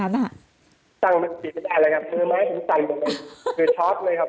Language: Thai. ตั้งสติไม่ได้เลยครับคือแม็กซ์มันตั้งคือช็อตเลยครับ